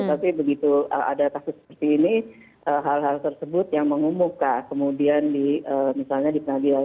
tapi begitu ada kasus seperti ini hal hal tersebut yang mengumumkan kemudian misalnya di peradilan